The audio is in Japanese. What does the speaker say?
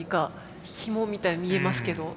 ひもみたいの見えますけど。